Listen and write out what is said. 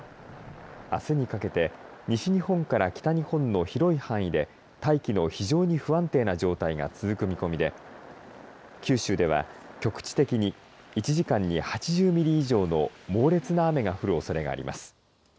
あすにかけて西日本から北日本の広い範囲で大気の非常に不安定な状態が続く見込みで九州では局地的に１時間に８０ミリ以上の猛烈な雨が降るおそれがあります。